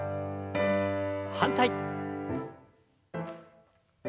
反対。